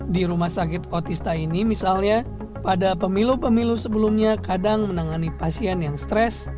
di rumah sakit otista ini misalnya pada pemilu pemilu sebelumnya kadang menangani pasien yang stres